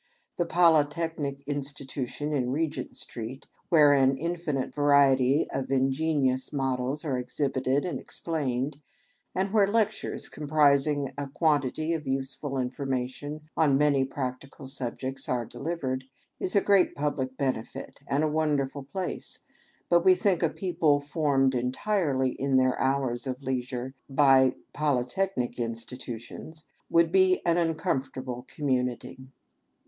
The Polytechnic Institution in. Eegent Street, where an infinite variety of ingenious models are exhibited and explained, and where lectures comprising a quantity of use ful iaformation on many practical subjects are delivered, is a great public benefit and a wonderful place, but we think a people formed entirely in their hours of leisure by Poly technic Institutions would be an uncomfortable community.